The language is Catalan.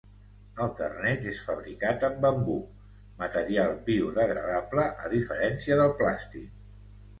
El carnet és fabricat amb bambú, material biodegradable, a diferència del plàstic.